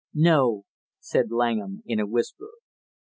"No," said Langham in a whisper.